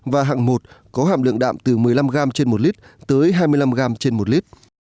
và hạng một có hàm lượng đạm từ một mươi năm gram trên một lít tới hai mươi năm gram trên một lít